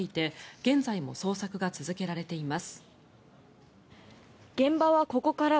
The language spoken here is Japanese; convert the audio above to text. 今も捜索が続けられています。